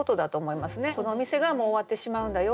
そのお店がもう終わってしまうんだよ。